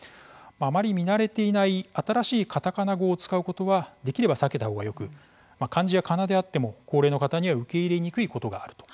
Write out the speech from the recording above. あまり見慣れていない新しいカタカナ語を使うことはできれば避けた方がよく漢字やかなであっても高齢の方には受け入れにくいことがあると。